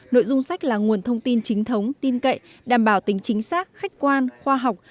nội dung sách là nguồn thông tin chính thống tin cậy đảm bảo tính chính xác khách quan khoa học